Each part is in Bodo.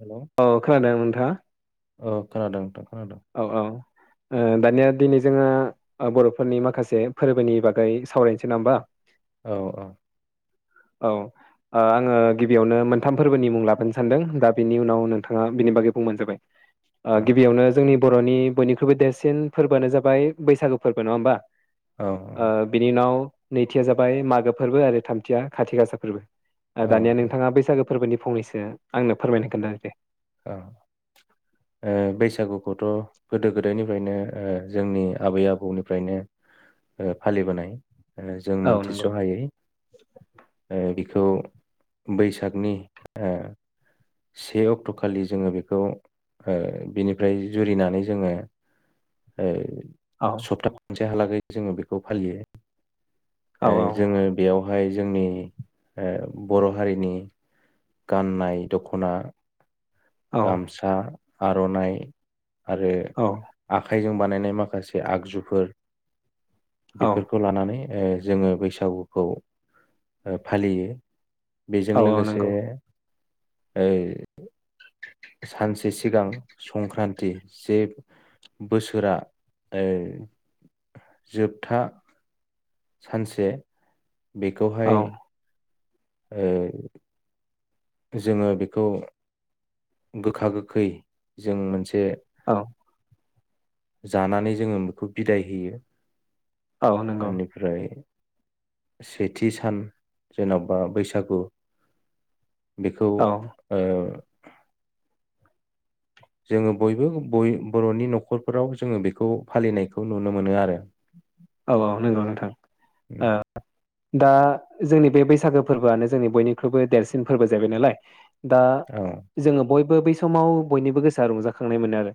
हेल' औ खोनादों नोंथांङा। औ खोनादों नोंथां। खोनादों औ औ दानिया दिनै जोङो बर'फोरनि माखासे फोरबोनि बागै सावरायनोसै नङा होमबा औ औ। औ ओ आङो गिबियावनो मोनथाम फोरबोनि मुं लाबोनो सानदों दा बेनि उनाव नोंथाङा बिनि बागै बुंबानो जाबाय ओ औ गिबियावनो जोंनि बर'नि बयनिख्रुइबो देरसिन फोरबोआनो जाबाय बैसागु फोरबो नङा होमबा? औ ओ बिनि उनाव नैथिया जाबाय मागो फोरबो आरो थामथिया खाथि गासा फोरबो। ओ औ दानिया नोंथाङा बैसागो फोरबोनि फंनैसो आंनो फोरमायनो खोन्था दे ओ ओ बैसागुखौथ' गोदो गोदायनिफ्रायनो ओ जोंनि आबै आबौनिफ्रायनो ओ फालिबोनाय। ओ जों औ नंगौ मिथिस'हायै ओ खौ बैसागनि ओ से अक्ट' फट'खालि जोङो बेखौ ओ बिनिफ्राय जुरिनानै जोङो ओ औ सपता खांसे हालागै जोङो बेखौ फालियो। औ ओ जोङो बेयाव बेवहाय जोंनि ओ बर' हारिनि गाननाय दख'ना औ गामसा। आर'नाइ। आरो औ आखाइजों बानायनाय माखासे आगजुफोर औ बेफोरखौ लानानै ओ जोंङो बैसागुखौ ओ फालियो। बेजों औ औ लोगोसे नंगौ ओ सानसे सिगां संक्रान्ति जे बोसोरा ओ जोबथा सानसे औ बेखौहाय ओ जोंङो बेखौ गोखा गोखै जों मोन से औ जानानै जोंङो बेखौ बिदाय होयो। औ नंगौ बेनिफ्राय सेथि सान जेन'बा बैसागु बेखौ औ ओ जोंङो बयबो-बय बर'नि न'खरफोराव जोंङो बेखौ फालिनायखौ नुनो मोनो आरो। औ औ नोंगौ नोंथां ओ उम, दा जोंनि बे बैसागो फोर्बोआनो जोंनि बयनिख्रुइबो देरसिन फोर्बो जाहैबाय नालाय दा औ जोंङो बय बो बै समाव बयनिबो गोसोआ रंजाखांनाय मोनो आरो।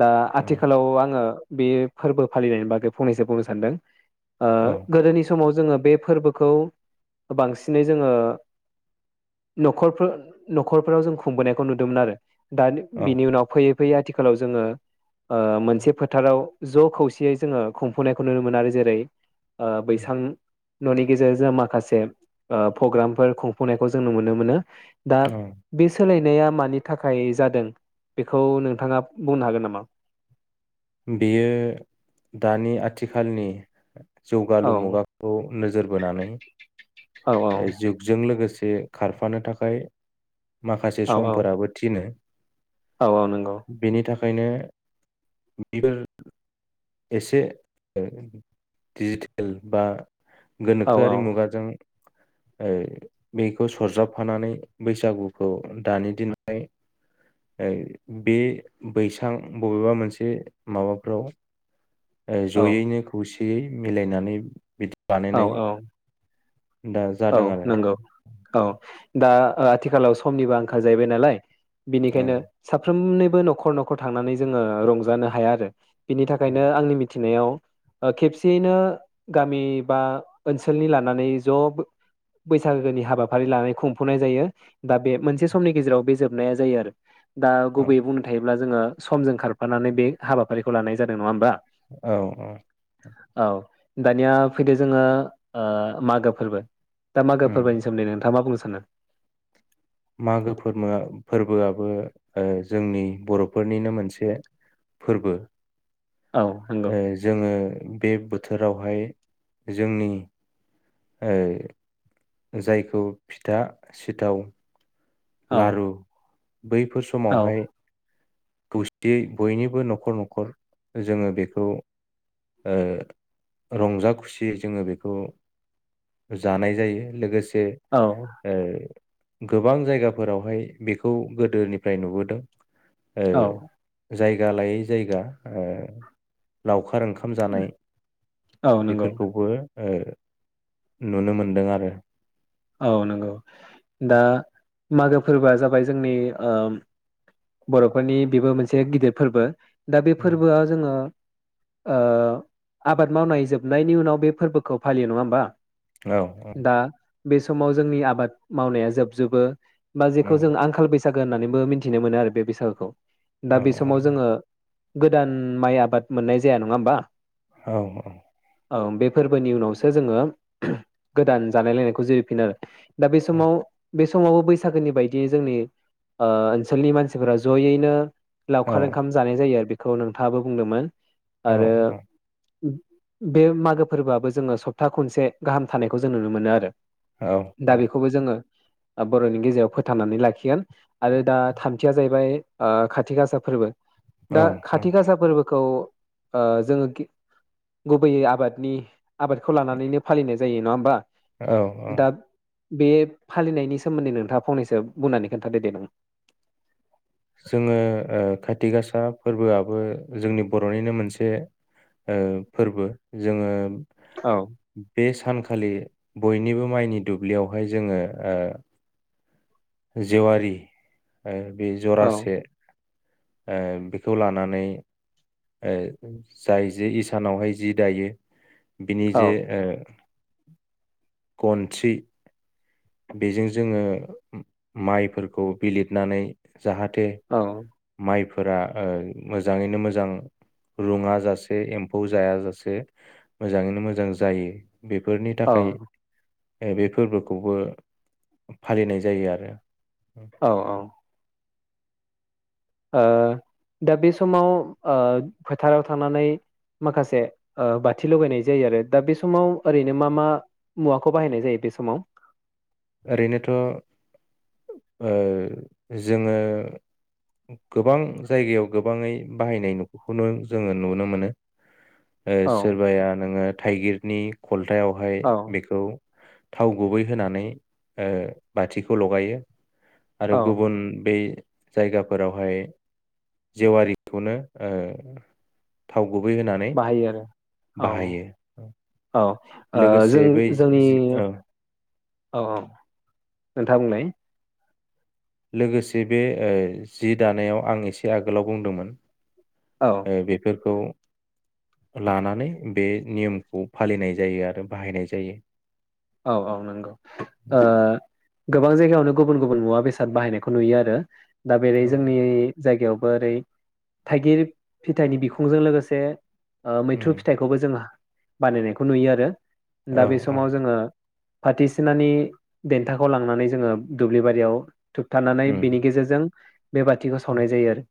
दा औ आथिखालाव आङो‌ बेयोे फोर्बो फालिनायनि बागै फंनैसो बुंनो सानदों। ओ औ गोदोनि समाव जोंङो बे फोरबोखौ बांसिनै जोंङो न'खरफ्रो-न'खरफोराव जों खुंबोनायखौ नुदोंमोन आरो। दानि औ बिनि उनाव फैयो फैयो आथिखालाव जोंङो ओ मोनसे फोथाराव ज' खौसेयै जोंङो खुंफुनायखौ नुनो मोनो आरो जेरै ओ उम, बैसां न'नि गेजेरजों माखासे ओ फग्रामफोर खुंफुंनायखौ जों नुनो मोनो। दा औ बेसोलाय नाया मानि थाखाय जादों बेखौ नोंथाङाब बुंनो हागोन नामा। बेयो दानि आथिखालनि‌ औ जौगालु मुगाखौ नोजोर बोनानै औ ओ जुगजों लोगोसे जे खारफानो थाखाय माखासे औ औ समफोराबो थिनो। औ औ नोंगौ। ओरैनो बिफोर एसे ओ दिडिजिटेल बा औ गोनोखोआरि मुगाजों ओ बेखौ सरजाबफानानै बैसागुखौ दानि दिनावहाय बे बैसां बबेबा मोनसे माबाफ्राव ओ औ जयैनो खौ यै मिलायनानै बिदि औ बानायनाय औ। दा औ जादों आरो नोंगौ औ दा ओ आथिखालाव समनिबो आंखाल जाहैबाय नालाय‌ औ बिनिखायनो साफ्रोमनि बो न'खर न'खर थांनानै जोङो रंजानो हाया आरो। बिनि औ थाखायनो आंनि मिथि नियाव खेबसेयैनो गामि बा ओनसोलनि लानानै जब बैसागोनि हाबाफारि लानाय खुंफुंनाय जायो दा बे मोनसे समनि गेजेराव बे जोबनाया जायो आरो दा औ गुबैयै बुंनो थायोब्ला जोङो समजों खारफानानै बे हाबाफारिखौ लानाय जादों नङा होमबा औ औ औ दानिया फैदो जोङो ओ मागो फोरबो दा उम मागोफोरनि सोमोनदै नोंथाङा मा बुंङो। सानो मागो फोरमो फोरबोआबो ओ जोंनि बर'फोरनिनो मोनसे फोरबो औ नंगौ ए जोङो। बे बोथोरावहाय जोंनि ए जायखौ फिथा सिथाव औ लारु बैफोर औ समावहाय खौसेयै बयनिबो न'खर न'खर जोङो बेखौ ओ रंजा खुसियै जोङो बेखौ जानाय जायो लोगो से औ ओ गोबां जायगाफोरावहाय बेखौ गोदोनिफ्राय नुबोदों। ओ औ जायगा लायै जायगा ओ लावखार ओं खाम जानाय औ नंगौ बेफोरखौबो ओ नुनो मोनदों आरो। औ नंगौ दा मागो फोरबोआ जाबाय जोंनि ओम बर'फोरनि बेबो मोनसे गिदिर फोरबो। दा बे उम, फोरबोआ जोङो ओ आबाद मावनाय जोबनायनि उनाव बे फोरबोखौ फालियो नङा होमबा? औ उम। दा बे समाव जोंनि आबाद मावनाया जोबजोबो। बा जेखौ जों आंखाल बैस गो होननानैबो मिन्थिनो मोनो आरो। बे बैसागुखौ दा औ बे समाव जोङो गोदान माइ आबाद मोननाय जाया नङा होमबा? औ औ। औ बे फोरबोनि उनावसो जोङो गोदान जानाय लायनायखौ जुरिफिनो। दा बे समाव बेस समावबो बैसागोनि बायदियै जोंनि ओ ओनसोलनि मानसि मानसिफोरा जयैनो औ लावखार ओंखाम जानाय जायो आरो बे खौ नोंथाङाबो बुंदोंमोन। औ आरो उम। बे मागो फोरबोआबो जोङो सप्ता खनसे गाहाम थानायखौ जों नुनो मोनो आरो। औ दा बेखौबो जोङो बर'नि गेजेराव फोथांनानै लाखिगोन आरो दा थान थिया जाहैबाय खाथि गासा फोरबो। औ दा खाथि गासा फोरबोखौ ओ जोङो गुबैयै आबादनि आबादखौ लानानैनो फालिनाय जायो नङा होमबा? औ ओ। दा बे फालिनायनि सोमोन्दै नोंथाङा फंनैसो बुंनानै खोन्थादो दे नों। जोङो ओ खाथि गासा फोरबोआबो जोंनि बरनिनो मोनसे ओ फोरबो जोङो औ बे सानखालि बयनिबो माइनि दुब्लियावहाय जोङो ओ जेवारि ओ बे औ जरासे। ओ बेखौ लानानै ओ जाय जे इसानावहाय जि दायो। बिनि औ जे ओ। गनथि। बेजों जोङो माइफोरखौ बिलिरनानै। जाहाथे औ माइ। फोरा ओ मोजाङैनो मोजां रुङा जासे एम्फौ जायाजासे मोजाङैनो मोजां जायो। बेफोरनि औ थाखाय। ए बे फोरबोखौबो। फालिनाय जायो आरो। औ औ। ओ दा बे समाव ओ फोथाराव थांनानै माखासे ओ बाथि लगायनाय जायो आरो दा बे समाव ओरैनो मा मा मुवाखौ बाहायनाय जायो बे समाव? ओरैनोथ ओ जोङो गोबां जायगायाव गोबाङै बाहायनाय [unintelligible] जोङो नुनो मोनो। ओ औ सोरबाया नोङो। थाइगिरनि। खलथायावहाय औ बेखौ। थाव गुबै होनानै। ओ बाथिखौ लगायो। आरो औ गुबुन बे। जायगाफोरावहाय जेवारिखौनो ओ थाव। गुबै होनानै बाहायो आरो औ बाहायो। औ ओ लोगोसे बै जों-जोंनि। जि औ औ औ नोंथां बुंलाय। लोगोसे बे ओ जि दानायाव आं एसे आगोलाव बुंदोंमोन। औ ओ बेफोरखौ। लानानै बे नियमखौ फालिनाय जायो आरो बाहायनाय जायो। औ औ नंगौ ओ गोबां जायगायावनो गुबुन गुबुन मुवा बेसाद बाहायनायखौ नुयो आरो। दा बेरै औ। जोंनि जायगायाव बो ओरै थायगिर फिथाइनि बिखुंजों लोगोसे। ओ उम मैथ्रु फिथाइखौबो जों बानायनायखौ नुयो आरो। औ दा बे औ समाव जोङो। फाथि सिनानि देन्थाखौ लांनानै जोङो दुब्लि बारियाव। थोबथानानै उम बिनि गेजेरजों। बे बाथिखौ सावनाय जायो आरो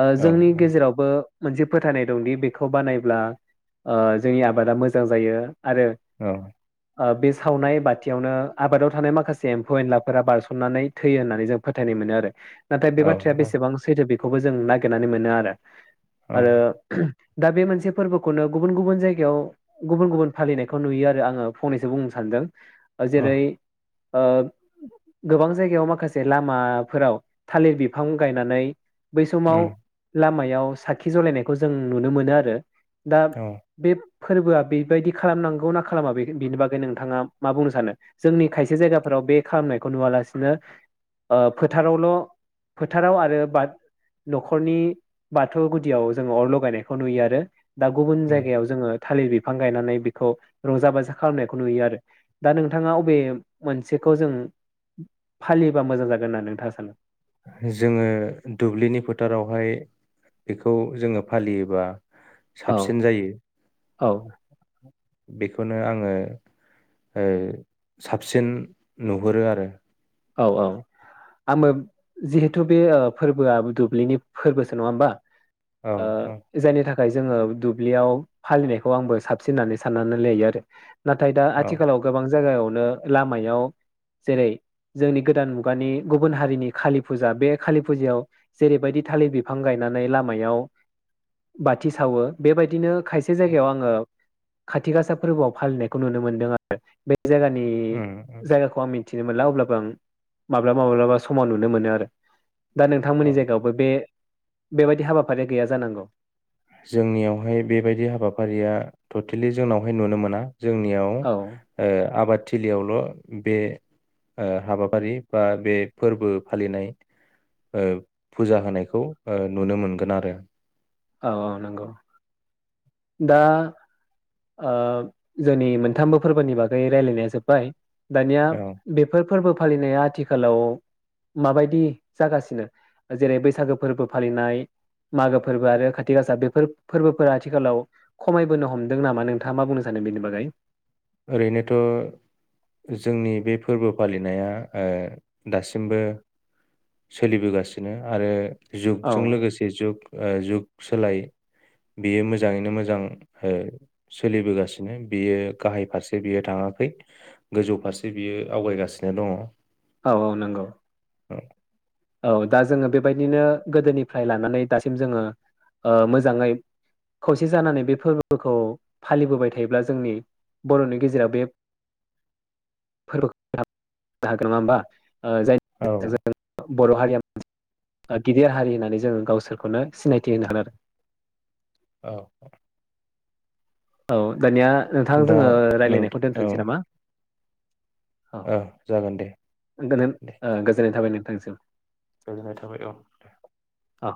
ओ औ जोंनि औ गेजेरावबो। मोनसे फोथायनाय दंदि बेखौ बानायब्ला ओ जोंनि आबादा मोजां जायो आरोे ओ बे सावनाय बाथियावनो आबादाव थानाय माखासे एम्फौ-एनलाफोरा बारसननानै थैयो होननानै जों फोथायनाय मोनो आरो। नाथाय बे औ बाथ्राया बेसेबां सैथो बे खौबो जों नागिरनानै मोनो आरो। औ आरो दा बे मोनसे फोरबोखौनो गुबुन गुबुन जायगायाव गुबुन गुबुन फालिनायखौ नुयो आरो आङो। फंनैसो बुंनो सानदों। औ जेरै ओ गोबां जायगायाव माखासे लामाफोराव थालिर बिफां गायनानै बै समाव उम लामा याव साखि जलायनायखौ जों नुनो मोनो आरो। दा औ बे फोरबोआ बेबायदि खालामनांगौ ना खालामा बे बिनि बागै नोंथाङा मा बुंनो सानो? जोंनि खायसे जायगाफोराव बे खालामनायखौ नुवालासिनो ओ फोथारावल' फोथाराव आरो न'खरनि बाथौ गुदियाव जोङो अर लगायनायखौ नुयो आरो दा गुबुन उम जायगायाव जोङो थालिर बिफां गायनानै बेखौ रंजा-बाजा खालामनायखौ नुयो आरो दा नोंथाङा अबे मोनसेखौ जों फालियोबा मोजां जागोन होननानै नोंथाङा सानो? जोङो दुब्लिनि फोथारावहाय बेखौ जोङो फालियोबा औ साबसिन जायो औ बेखौनो आङो ओ साबसिन नुहुरो आरो औ औ आङो जिहेथु बे फोरबोआ दुब्लिनि फोरबोसो नङा होमबा औ ओ औ जायनि थाखाय दायो जोङो दुब्लियाव फालिनायखौ आंबो साबसिन होननानै साननानै लायो आरो नाथाय दा औ आथिखालाव गोबां जागायावनो लामायाव जेरै जोंनि गोदान मुगानि गुबुन हारिनि खालि फुजा बे खालि फुजायाव जेरैबायदि थालिर बिफां गायनानै लामायाव बाथि सावो बेबायदिनो खायसे जायगायाव आङो खाथि गासा फोरबोआव फालिनायखौ नुनो मोनदों आरो बे जायगानि उम उम जायगाखौ आं मि थिनो मोनला अब्लाब बां माब्लाबा माब्लाबा समाव नुनो मोनो आरो दा नोंथांमोननि औ। जायगायावबो बे बेबायदि हाबाफारिया गैया जानांगौ जोंनियावहाय बेबायदि हाबाफारिया टटेलि जोंनावहाय नुनो मोना जोंनियाव औ ओ आबाद थिलियाव बे हाबाफारि बा बे फोरबो फालिनाय ओ फुजा होनायखौ ओ नुनो मोनगोन आरो औ औ नंगौ दा जोंनि मोनथामबो फोरबोनि बागै रायलायनाया जोब्बाय। दानिया औ बेफोर फोरबो फालिनाया आथिखालाव माबायदि जागासिनो जेरै बैसागो फोरबो फालिनाय मागो फोर बो आरो कातिक आसा बेफोर फोरबोफोरा आथिखालाव खमायबोनो हमदों नामा नोंथाङा मा बुंनो सानो बेनि बागै? ओरैनोथ' जोंनि बे फोरबो फालिनाया ओ दासिमबो सोलिबोगासिनो आरो औ जुगजों लोगोसे जुग ओ जुग सोलाय बियो मोजाङैनो मोजां ओ सोलिबोगासिनो बियो गाहाय फारसे बियो थाङाखै गोजौ फारसे बियो आवगायगासिनो दङ। औ औ नंगौ। औ। औ दा जोङो बेबायदिनो गोदोनिफ्राय लानानै दासिम जोङो ओ मोजाङै खौसे जानानै बे फोरबोखौ फालिबोबाय थायोब्ला जोंनि बर'नि गेजेराव बे फोरबोखौनो हागोन नङा होमबा? ओ जाय औ [unintelligible] बर' हारिया मोनसे गिदिर हारि होननानै जोङो गावसोरखौनो सिनायथि होनो होगोन। औ। औ दानिया नोंथां दा जोङो नों रायलायनायखौ औ दोनथ'नोसै नामा? औ जागोन दे गोलोन दे ओ गोजोननाय थाबाय नों थांसै गोजोननाय थाबाय औ दे। औ।